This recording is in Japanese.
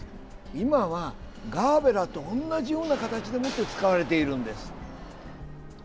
今はガーベラと同じような形でもって使われているんです。